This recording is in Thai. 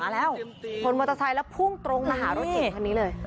สวนมอเตอร์ไทยและพุ่งตรงรหารถเก๋ง